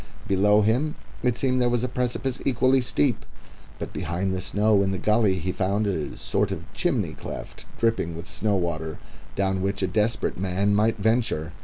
Below him it seemed there was a precipice equally steep, but behind the snow in the gully he found a sort of chimney cleft dripping with snow water down which a desperate man might venture.